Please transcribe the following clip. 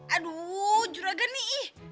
aduh juragan nih ih